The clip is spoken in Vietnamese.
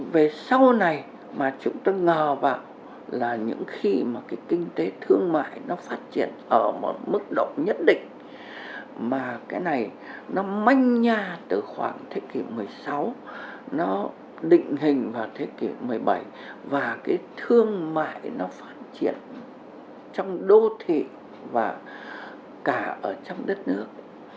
về sau này mà chúng ta ngờ vào là những khi mà cái kinh tế thương mại nó phát triển ở một mức độ nhất định mà cái này nó manh nha từ khoảng thế kỷ một mươi sáu nó định hình vào thế kỷ một mươi bảy và cái thương mại nó phát triển trong đô thị và cả ở trong đất nước